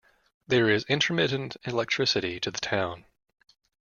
There is intermittent electricity to the town.